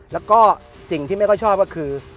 แล้วก็สิ่งที่ไม่ค่อยชอบก็คือ